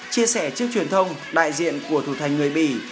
chia sẻ trước truyền thông đại diện của thủ thành người bỉ